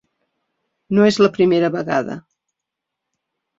No és la primera vegada.